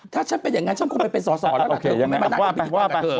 ถ้าฉันเป็นอย่างนั้นฉันคงเป็นเป็นส่อแล้วแบบนั้น